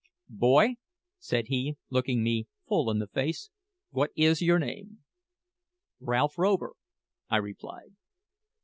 "Boy," said he, looking me full in the face, "what is your name?" "Ralph Rover," I replied.